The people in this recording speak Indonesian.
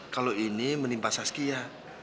kalau ini menimpa saskia